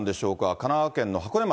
神奈川県の箱根町。